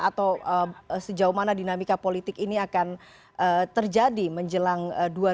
atau sejauh mana dinamika politik ini akan terjadi menjelang dua ribu dua puluh